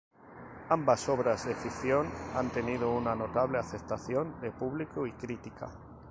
Ambas obras de ficción ha tenido una notable aceptación de público y crítica.